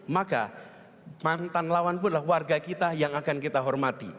maka mantan lawan pun adalah warga kita yang akan kita hormati